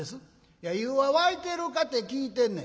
「いや湯は沸いてるかて聞いてんねん」。